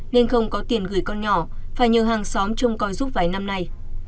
nên không có tiền gửi con nhỏ phải nhờ hàng xóm chung coi giúp vài năm nay